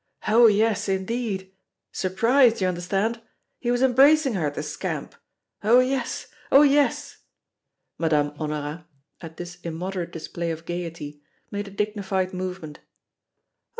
Oh! yes, indeed surprised, you understand? He was embracing her, the scamp. Oh! yes oh! yes." Madame Honorat, at this immoderate display of gaiety, made a dignified movement: "Oh! M.